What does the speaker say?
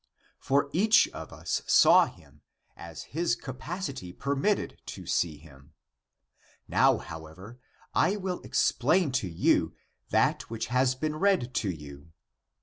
For each of n& saw (him) as his capacity permitted to see (him). Now, how ever, I will explain to you that which has been read to you.